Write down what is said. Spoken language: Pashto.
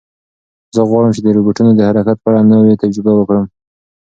زه غواړم چې د روبوټونو د حرکت په اړه نوې تجربه وکړم.